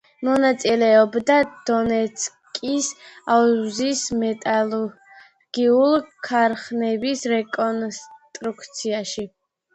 მონაწილეობდა დონეცკის აუზის მეტალურგიული ქარხნების რეკონსტრუქციაში.